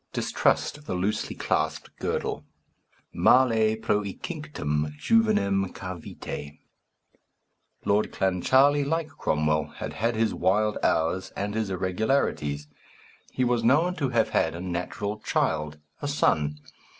Distrust the loosely clasped girdle. Male proecinctam juvenem cavete. Lord Clancharlie, like Cromwell, had had his wild hours and his irregularities. He was known to have had a natural child, a son.